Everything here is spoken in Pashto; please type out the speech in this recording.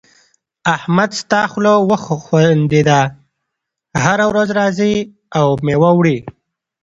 احمد ستا خوله وخوندېده؛ هر ورځ راځې او مېوه وړې.